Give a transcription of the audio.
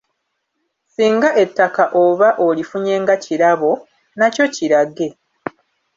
Singa ettaka oba olifunye nga kirabo, nakyo kirage.